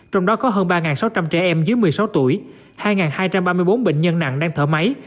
trong đó có hơn ba sáu trăm linh trẻ em dưới một mươi sáu tuổi hai hai trăm ba mươi bốn bệnh nhân nặng đang thở máy